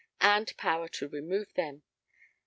[and power to remove them].